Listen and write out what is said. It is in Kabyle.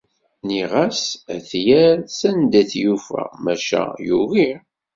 Nniɣ-as ad t-yerr s anda i t-yufa, maca yugi.